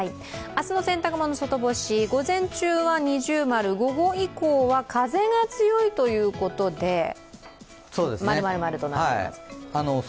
明日の洗濯物外干し、午前中は◎、午後以降は風が強いということで、○○○となっています。